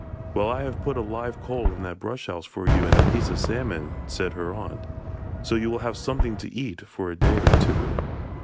'Well, I have put a live coal in that brush house for you and a piece of salmon,' said her aunt, 'so you will have something to eat for a day or two.'